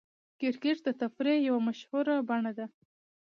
کرکټ د تفریح یوه مشهوره بڼه ده.